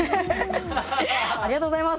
ありがとうございます！